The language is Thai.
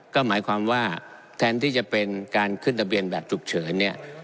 ก็หมายความว่าแทนที่จะเป็นการขึ้นทะเบียนแบบฉุกเฉินเนี่ย